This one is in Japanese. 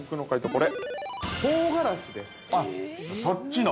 ◆これ？